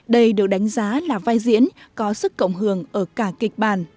đây được đánh giá là vai diễn có sức cộng hưởng ở cả kịch bản